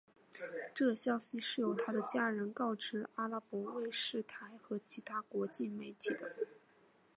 这消息是由他的家人告知阿拉伯卫视台和其他国际媒体的。